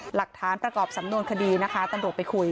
หลักฐานประกอบสำนวนคดีนะคะตำรวจไปคุย